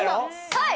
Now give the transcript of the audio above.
はい！